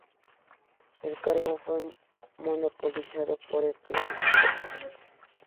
El cargo fue monopolizado por el clan Hōjō.